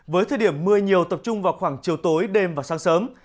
với thời điểm mưa nhiều tập trung vào khoảng chiều tối đêm và sáng sớm